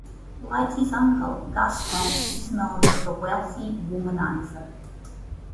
Like his uncle, Gaston is known as a wealthy womanizer.